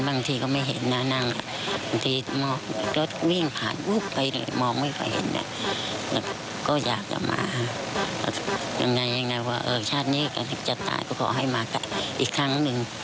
บางทีจะเห็นหลวงของท่านบางทีก็ไม่เห็นนาง